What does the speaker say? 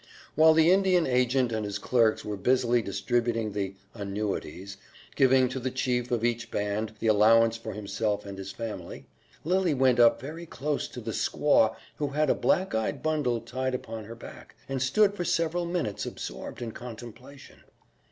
While the Indian agent and his clerks were busily distributing the "annuities," giving to the chief of each band the allowance for himself and his family, Lily went up very close to the squaw who had a black eyed bundle tied upon her back, and stood for several minutes absorbed in contemplation.